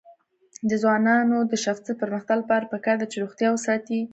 د ځوانانو د شخصي پرمختګ لپاره پکار ده چې روغتیا وساتي.